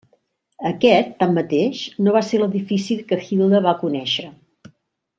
Aquest, tanmateix, no va ser l'edifici que Hilda va conèixer.